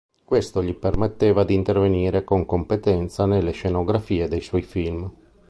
Questo gli permetteva di intervenire con competenza nelle scenografie dei suoi film.